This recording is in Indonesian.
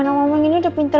nih main di situ